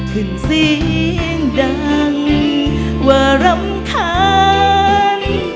ขึ้นเสียงดังว่ารำคาญ